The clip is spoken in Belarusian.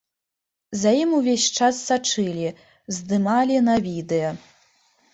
За ім увесь час сачылі, здымалі на відэа.